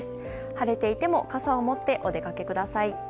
晴れていても傘を持ってお出かけください。